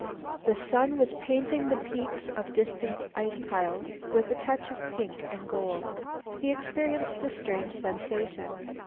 The sun was painting the peaks of distant ice piles with a touch of pink and gold. He experienced a strange sensation.